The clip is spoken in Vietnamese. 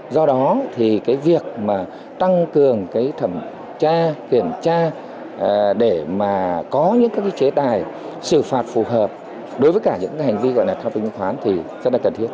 do đó thì cái việc mà tăng cường cái thẩm tra kiểm tra để mà có những cái chế tài xử phạt phù hợp đối với cả những hành vi gọi là thao túng chứng khoán thì rất là cần thiết